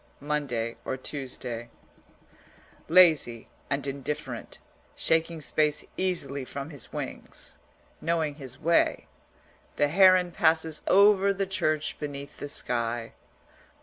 MONDAY OR TUESDAY Lazy and indifferent, shaking space easily from his wings, knowing his way, the heron passes over the church beneath the sky.